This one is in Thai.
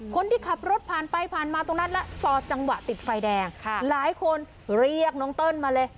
คนที่ขับรถผ่านไปผ่านมาตรงนั้นแล้วพอจังหวะติดไฟแดงหลายคนเรียกน้องเติ้ลมาเลย